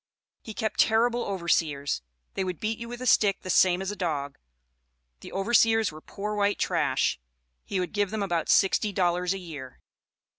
He kept terrible overseers; they would beat you with a stick the same as a dog. The overseers were poor white trash; he would give them about sixty dollars a year."